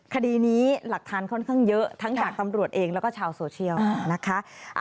คดีนี้หลักฐานค่อนข้างเยอะทั้งจากตำรวจเองแล้วก็ชาวโซเชียลนะคะ